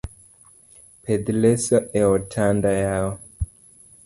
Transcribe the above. Pedh leso e otanda yawa.